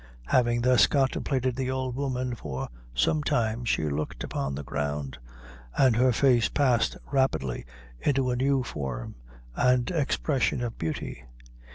Having thus contemplated the old woman for some time, she looked upon the ground, and her face passed rapidly into a new form and expression of beauty.